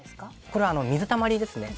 これは水たまりですね。